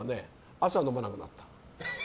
朝、飲まなくなった。